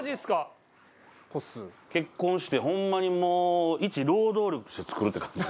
結婚してホンマにもうイチ労働力として作るって感じ。